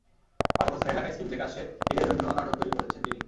ফারুক হোসেনের লেখা স্ক্রিপ্ট থেকে আসছে ঈদের জন্য নাটক তৈরি করছেন তিনি।